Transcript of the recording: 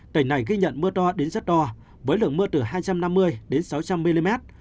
tỉnh này ghi nhận mưa to đến rất to với lượng mưa từ hai trăm năm mươi đến sáu trăm linh mm